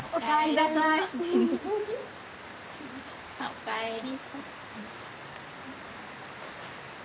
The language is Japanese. おかえり。